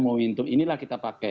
momentum inilah kita pakai